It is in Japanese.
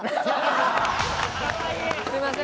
すいません。